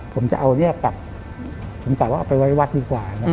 ผมจะเอาเรียกกลับผมกลับว่าเอาไปไว้วัดดีกว่า